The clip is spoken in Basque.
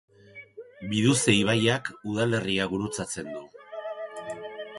Biduze ibaiak udalerria gurutzatzen du.